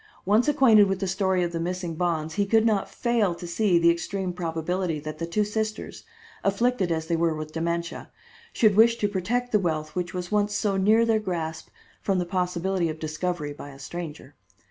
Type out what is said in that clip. Once acquainted with the story of the missing bonds he could not fail to see the extreme probability that the two sisters, afflicted as they were with dementia, should wish to protect the wealth which was once so near their grasp, from the possibility of discovery by a stranger.